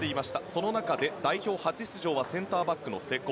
その中で代表初出場はセンターバックの瀬古。